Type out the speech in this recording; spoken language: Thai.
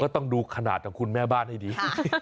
ต้องดูขนาดของคุณแม่บ้านให้ดี